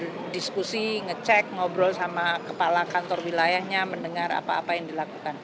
di diskusi ngecek ngobrol sama kepala kantor wilayah nya mendengar apa apa yang dilakukan